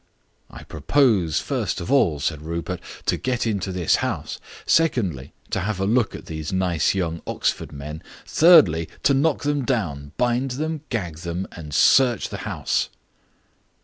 "I propose, first of all," said Rupert, "to get into this house; secondly, to have a look at these nice young Oxford men; thirdly, to knock them down, bind them, gag them, and search the house."